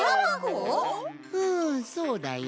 うんそうだよ。